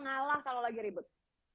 ngalah kalau lagi ribet